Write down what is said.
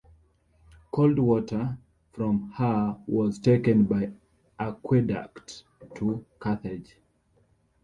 Cold water from here was taken by aqueduct to Carthage.